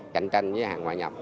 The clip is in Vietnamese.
cạnh tranh với hàng ngoại nhập